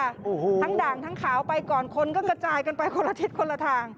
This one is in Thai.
โอ้โหทั้งด่างทั้งขาวไปก่อนคนก็กระจายกันไปคนละทิศคนละทาง